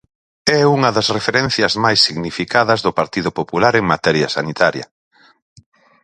É unha das referencias máis significadas do Partido Popular en materia sanitaria.